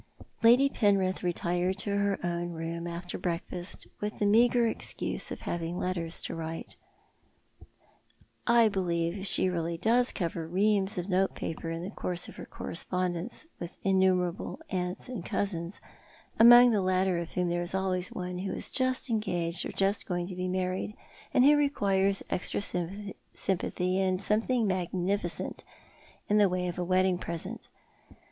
Lady Penrith retired to her own room after breakfast, with the meagre excuse of having letters to write. I believe she Cora expatiates. 275 does really cover reams of note paper in the course of her correspondence with innumerable aunts and cousins, among the latter of whom there is always one who is just engaged or just going to be married, and who requires extra sympathy and something maguificent in the way of a wedding present.